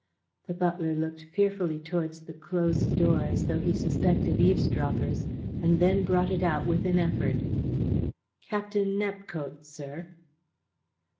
The butler looked fearfully towards the closed door, as though he suspected eavesdroppers, and then brought it out with an effort: "Captain Nepcote, sir."